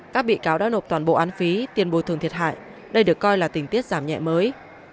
các bị cáo đã nộp toàn bộ án phí tiền bồi thường thiệt hại đây được coi là tình tiết giảm nhẹ mới